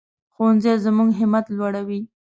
ښوونځی زموږ همت لوړوي